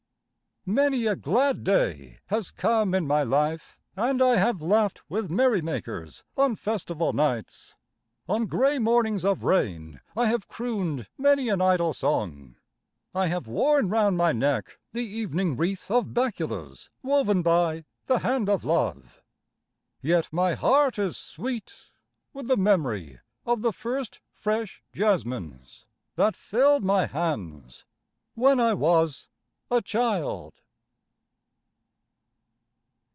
Many a glad day has come in my life, and I have laughed with merrymakers on festival nights. On grey mornings of rain I have crooned many an idle song. I have worn round my neck the evening wreath of bakulas woven by the hand of love. Yet my heart is sweet with the memory of the first fresh jasmines that filled my hands when I was a child.